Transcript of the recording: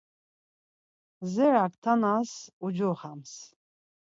Zerak Tanas ucoxams.